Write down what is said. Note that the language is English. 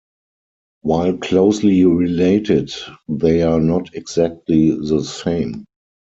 While closely related, they are not exactly the same.